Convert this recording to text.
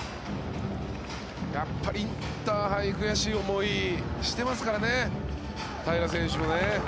やっぱりインターハイ悔しい思いしてますからね平良選手もね。